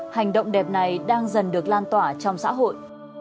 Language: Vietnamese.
hành động đẹp này đang dần được lan tỏa trong xã hội